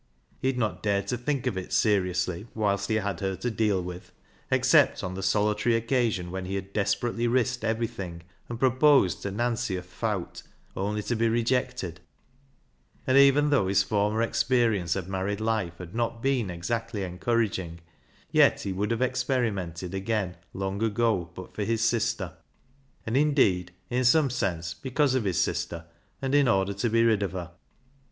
He had not dared to think of it seriously whilst he had her to deal with, except on the solitary occasion when he had desperately risked everything and proposed to " Nancy o' th' Fowt," only to be rejected ; and even though his former experience of married life had not been exactly encourag ing, yet he would have experimented again long ago but for his sister, and indeed, in some sense, because of his sister, and in order to be rid of her.